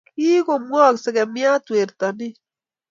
Kagomwok segemnyat werto nin